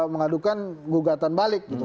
mengadukan gugatan balik gitu